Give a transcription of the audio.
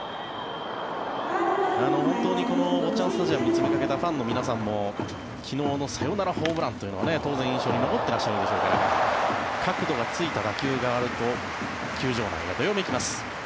本当に坊っちゃんスタジアムに詰めかけたファンの皆さんも昨日のサヨナラホームランというのは当然印象に残っているでしょうから角度がついた打球が上がると球場内がどよめきます。